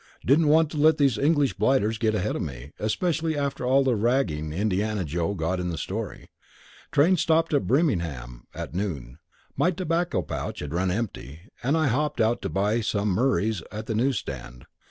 Didn't want to let these English blighters get ahead of me, especially after all the ragging Indiana Joe got in the story. Train stopped at Birmingham at noon. My tobacco pouch had run empty, and I hopped out to buy some Murray's at the newsstand.